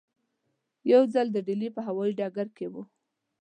یو ځل د ډیلي په هوایي ډګر کې وو.